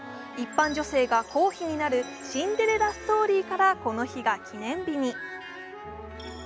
一般女性が公妃になるシンデレラストーリーからこの日が記念日に。